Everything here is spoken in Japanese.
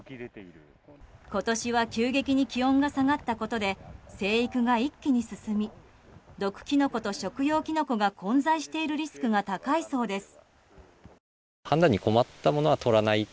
今年は急激に気温が下がったことで生育が一気に進み毒キノコと食用キノコが混在しているリスクが高いそうです。